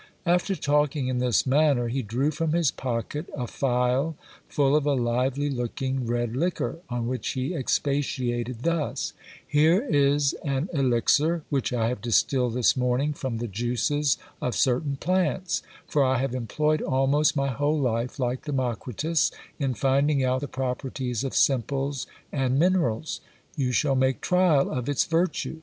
After talking in this manner he drew from his pocket a phial full of a lively looking red liquor, on which he expatiated thus : Here is an elixir which I have distilled this morning from the juices of certain plants; for I have employed almost my whole life, like Democritus, in finding out the properties of simples and minerals. You shall make trial of its virtue.